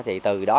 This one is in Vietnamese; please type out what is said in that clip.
thì từ đó